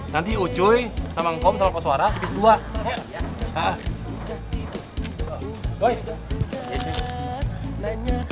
nanti ucuy sama ngkom sama pasuara di bis dua